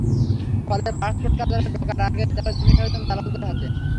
ফলে পাসপোর্ট কার্যালয়ে ঢোকার আগেই তাঁরা জিম্মি হয়ে যান দালালদের কাছে।